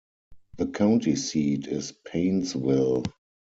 The county seat is Painesville.